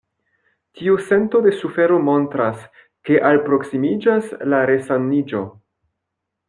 Tiu sento de sufero montras, ke alproksimiĝas la resaniĝo.